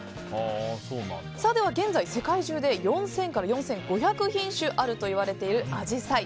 では、現在世界中で４０００から４５００品種あるといわれているアジサイ。